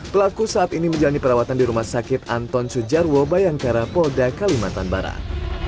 pelaku saat ini menjalani perawatan di rumah sakit anton sujarwo bayangkara polda kalimantan barat